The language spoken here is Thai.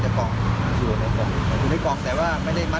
เขาตอบไม่ถึงมีใบรวมมา